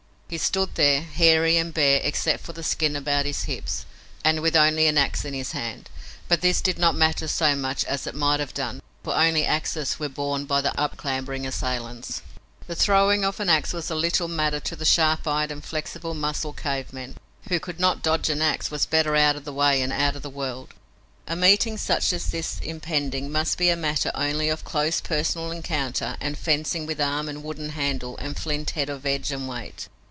He stood there, hairy and bare except for the skin about his hips, and with only an ax in his hand, but this did not matter so much as it might have done, for only axes were borne by the up clambering assailants. The throwing of an ax was a little matter to the sharp eyed and flexile muscled cave men. Who could not dodge an ax was better out of the way and out of the world. A meeting such as this impending must be a matter only of close personal encounter and fencing with arm and wooden handle and flint head of edge and weight.